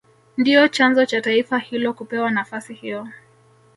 Ndio chanzo cha taifa hilo kupewa nafasi hiyo